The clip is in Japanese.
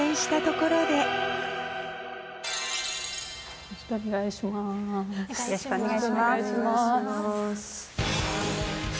よろしくお願いします。